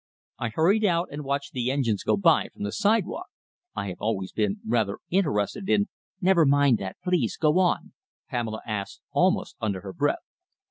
I hurried out and watched the engines go by from the sidewalk. I have always been rather interested in " "Never mind that, please. Go on," Pamela asked, almost under her breath.